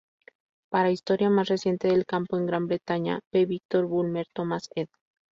Para historia más reciente del campo en Gran Bretaña, ve Victor Bulmer-Thomas, ed.